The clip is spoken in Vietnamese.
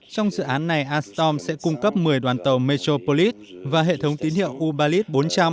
trong dự án này ostrom sẽ cung cấp một mươi đoàn tàu metropolis và hệ thống tín hiệu u balit bốn trăm linh